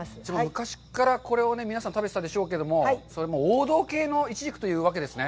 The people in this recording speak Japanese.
昔から、これを皆さん、食べてたでしょうけど、王道系のいちじくというわけですね。